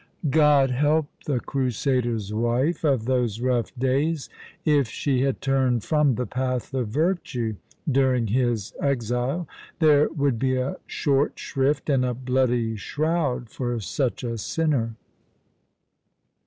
God help the crusader's wife of those rough days if she had turned from the path of virtue during his exile. There would be a short shrift and a bloody shroud for such a sinner